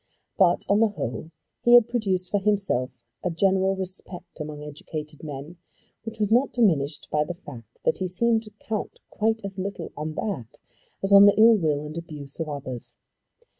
But, on the whole, he had produced for himself a general respect among educated men which was not diminished by the fact that he seemed to count quite as little on that as on the ill will and abuse of others.